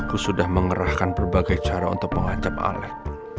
aku sudah mengerahkan berbagai cara untuk mengajak alec